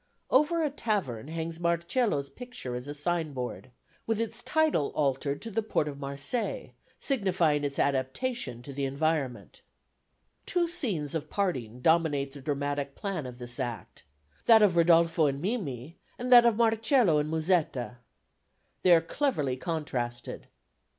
Over a tavern hangs Marcello's picture as a signboard, with its title altered to the Port of Marseilles, signifying its adaptation to its environment. Two scenes of parting dominate the dramatic plan of this Act, that of Rodolfo and Mimi, and that of Marcello and Musetta. They are cleverly contrasted.